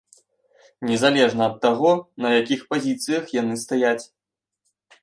Незалежна ад таго, на якіх пазіцыях яны стаяць.